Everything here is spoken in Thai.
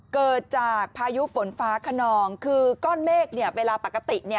เกิดจากพายุฝนฟ้าขนองคือก้อนเมฆเนี่ยเวลาปกติเนี่ย